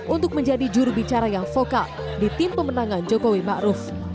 untuk menjadi jurubicara yang vokal di tim pemenangan jokowi ma'ruf